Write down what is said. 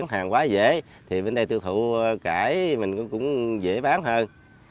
hàng quá dễ thì bên đây tiêu thụ cải mình cũng dễ bán hơn